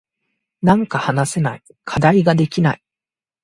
なんか話せない。課題ができない。